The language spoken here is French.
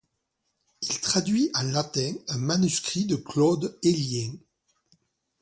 Il traduit en latin un manuscrit de Claude Élien.